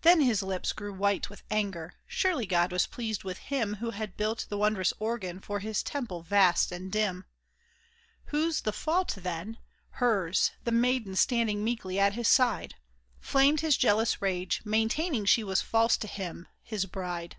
Then his lips grew white with anger. Surely God was pleased with him Who had built the wondrous organ for His temple vast and dim ? Whose the fault, then ? Hers — the maiden standing meekly at his side ! Flamed his jealous rage, maintaining she was false to him — his bride.